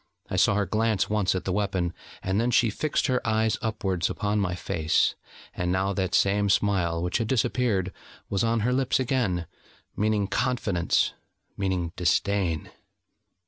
I saw her glance once at the weapon, and then she fixed her eyes upwards upon my face: and now that same smile, which had disappeared, was on her lips again, meaning confidence, meaning disdain.